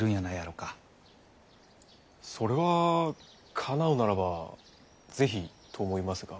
それはかなうならばぜひと思いますが。